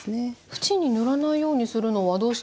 縁に塗らないようにするのはどうしてですか？